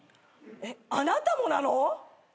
えっあなたもなの？